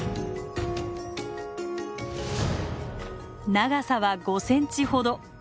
長さは５センチほど。